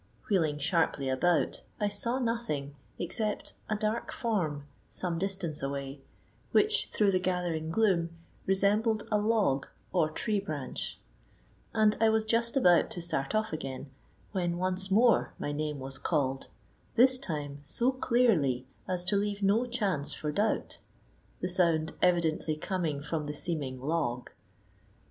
Wheeling sharply about I saw nothing, except a dark form some distance away, which through the gathering gloom resembled a log or tree branch; and I was just about to start off again, when once more my name was called, this time so clearly as to leave no chance for doubt, the sound evidently coming from the seeming log.